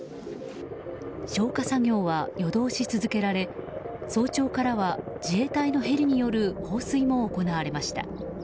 消火作業は夜通し続けられ早朝からは自衛隊のヘリによる放水も行われました。